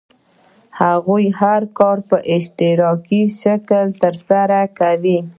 هغوی هر کار په اشتراکي شکل ترسره کاوه.